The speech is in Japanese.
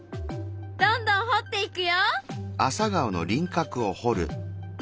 どんどんほっていくよ！